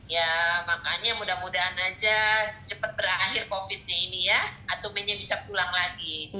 ya makanya mudah mudahan aja cepet berakhir covid nih